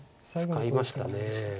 使いました。